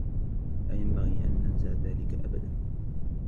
لا ينبغي أن ننسى ذلك أبدا.